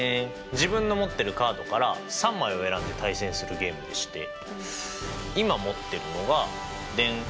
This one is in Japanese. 自分の持ってるカードから３枚を選んで対戦するゲームでして今持ってるのがデン！